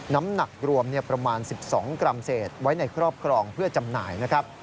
น้ำหนักรวมประมาณ๑๒กรัมเศษไว้ในครอบครองเพื่อจำหน่ายนะครับ